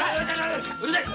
うるさい！